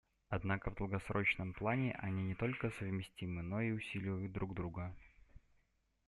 Однако в долгосрочном плане они не только совместимы, но и усиливают друг друга.